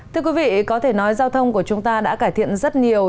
thưa quý vị có thể nói giao thông của chúng ta đã cải thiện rất nhiều